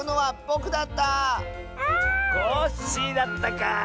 コッシーだったかあ。